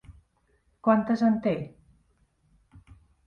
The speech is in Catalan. Quantes en té?